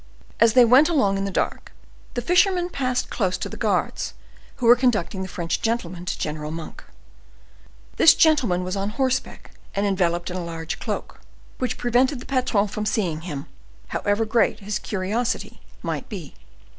As they went along in the dark, the fishermen passed close to the guards who were conducting the French gentleman to General Monk. This gentleman was on horseback and enveloped in a large cloak, which prevented the patron from seeing him, however great his curiosity might be.